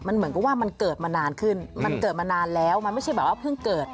มันเหมือนกับว่ามันเกิดมานานขึ้นมันเกิดมานานแล้วมันไม่ใช่แบบว่าเพิ่งเกิด